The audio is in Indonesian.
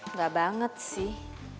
nggak banget sih